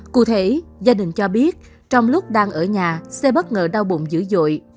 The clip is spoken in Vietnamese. cụ thể gia đình cho biết trong lúc đang ở nhà xe bất ngờ đau bụng dữ dội